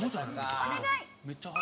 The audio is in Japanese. お願い！